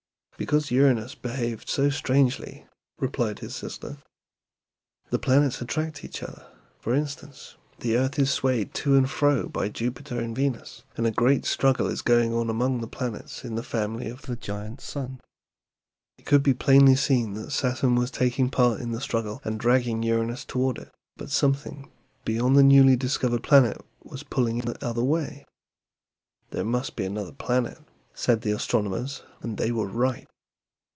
"Because Uranus behaved so strangely," replied his sister. "The planets attract each other; for instance, the earth is swayed to and fro by Jupiter and Venus, and a great struggle is always going on among the planets in the family of Giant Sun. It could be plainly seen that Saturn was taking part in the struggle and dragging Uranus toward it, but something beyond the newly discovered planet was pulling it the other way. 'There must be another planet,' said the astronomers, and they were right.